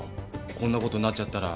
こんなことになっちゃったら。